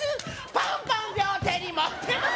ポンポン両手に持ってます